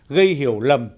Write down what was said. gây hiểu lầm